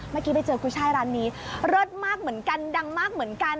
เมื่อกี้ไปเจอกุ้ยช่ายร้านนี้เลิศมากเหมือนกันดังมากเหมือนกัน